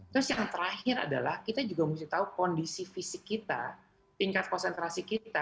terus yang terakhir adalah kita juga mesti tahu kondisi fisik kita tingkat konsentrasi kita